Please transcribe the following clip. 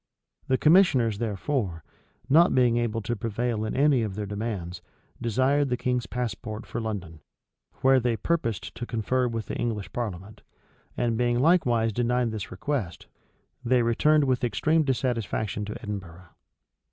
The commissioners, therefore, not being able to prevail in any of their demands, desired the king's passport for London, where they purposed to confer with the English parliament;[*] and being likewise denied this request, they returned with extreme dissatisfaction to Edinburgh.